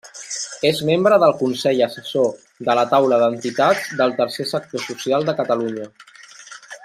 És membre del Consell Assessor de la Taula d'Entitats del Tercer Sector Social de Catalunya.